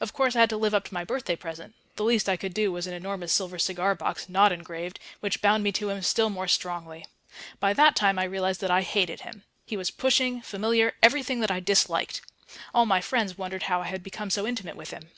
Of course I had to live up to my birthday present; the least I could do was an enormous silver cigar box (not engraved), which bound me to him still more strongly. By that time I realized that I hated him. He was pushing, familiar, everything that I disliked. All my friends wondered how I had become so intimate with him....